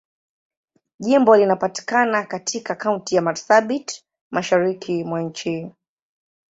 Jimbo linapatikana katika Kaunti ya Marsabit, Mashariki mwa nchi.